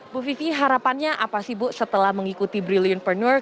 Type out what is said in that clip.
bu vivi harapannya apa sih bu setelah mengikuti brilliantpreneur